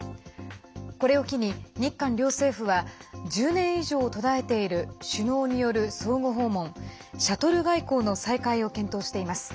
これを機に、日韓両政府は１０年以上途絶えている首脳による相互訪問シャトル外交の再開を検討しています。